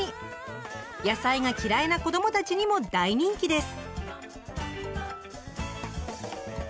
野菜が嫌いな子どもたちにも大人気です。